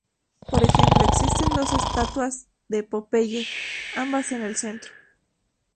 Por ejemplo, existen dos estatuas de Popeye, ambas en el centro.